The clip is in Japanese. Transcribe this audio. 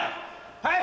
はい！